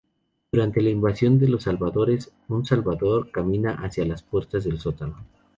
Durante la invasión de los salvadores, un Salvador camina hacia las puertas del sótano.